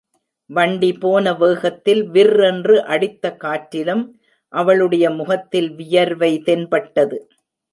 வண்டிபோன வேகத்தில் விர்ரென்று அடித்த காற்றிலும் அவளுடைய முகத்தில் வியர்வை தென்பட்டது.